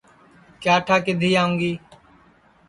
کیا ٹھا کِدھی آوں گی